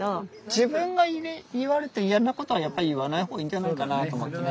自分が言われて嫌なことはやっぱり言わない方がいいんじゃないかなと思ってね。